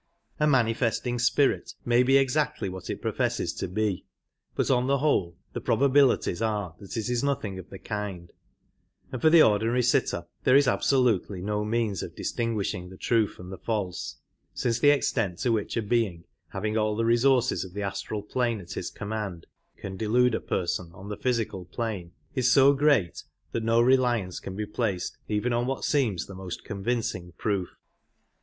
A manifesting " spirit " may be exactly what it professes to be, but on the whole the probabilities are that it is nothing of the kind ; and for the ordinary sitter there is absolutely no means of distinguishing the true from the false, since the extent to which a being having all the resources of the astral plane at his command can delude a person on the physical plane is so great that no reliance can be placed even on what seems the most convincing proof.